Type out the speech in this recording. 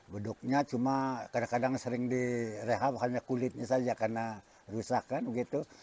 beduknya cuma kadang kadang sering direhab hanya kulitnya saja karena rusak kan begitu